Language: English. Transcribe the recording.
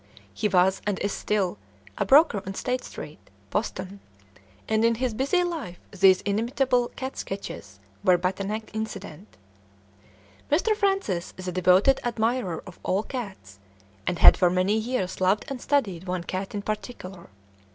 He was, and is still, a broker on State Street, Boston, and in his busy life these inimitable cat sketches were but an incident. Mr. Francis is a devoted admirer of all cats, and had for many years loved and studied one cat in particular.